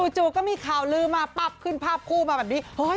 จู่ก็มีข่าวลืมมาปั๊บขึ้นภาพคู่มาแบบนี้